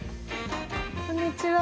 こんにちは。